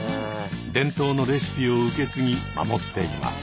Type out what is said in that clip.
伝統のレシピを受け継ぎ守っています。